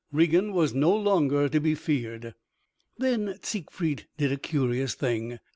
Regin was no longer to be feared. Then Siegfried did a curious thing.